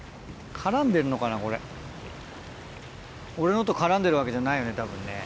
俺のと絡んでるわけじゃないよねたぶんね。